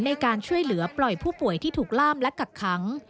ในการช่วยเหลือปล่อยผู้ป่วยที่ถูกล่ามและกักขัง